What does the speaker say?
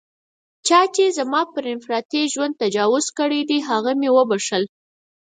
چا چې زما پر انفرادي ژوند تجاوز کړی دی، هغه مې و بښل.